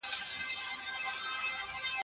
نوري یې مه پریږدی د چا لښکري